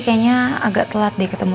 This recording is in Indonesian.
maaf ada telepon dari kantor